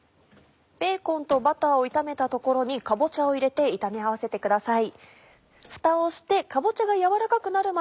ベーコンとバターを炒めた所にかぼちゃを入れて炒め合わせてください。